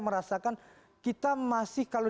merasakan kita masih kalau